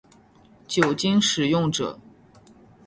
酒精使用者